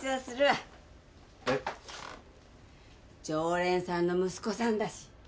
常連さんの息子さんだし